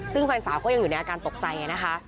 ซึ่งแฟนสาวก็ยังอยู่ในอาการตกใจนะคะ